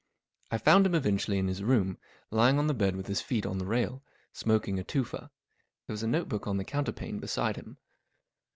I found him eventually in his room, lying on the bed with his feet on the rail, smoking a toofah. There was a notebook on the counterpane beside him.